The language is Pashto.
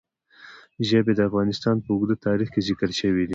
ژبې د افغانستان په اوږده تاریخ کې ذکر شوی دی.